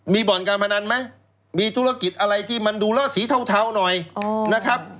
มีบ่อนการพนันไหมมีธุรกิจอะไรที่มันดูแล้วสีเทาหน่อยนะครับ